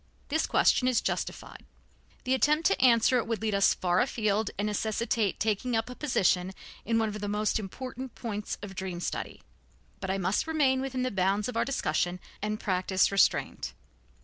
This question is justified. The attempt to answer it would lead us far afield and necessitate taking up a position in one of the most important points of dream study. But I must remain within the bounds of our discussion and practice restraint.